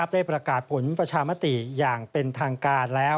ได้ประกาศผลประชามติอย่างเป็นทางการแล้ว